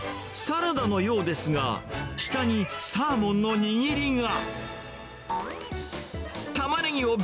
サラダのようですが、下にサーモンの握りが。